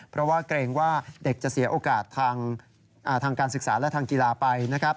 เพราะว่าเกรงว่าเด็กจะเสียโอกาสทางการศึกษาและทางกีฬาไปนะครับ